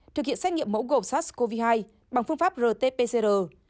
thực hiện xét nghiệm mẫu gộp sars cov hai bằng phương pháp rt pcr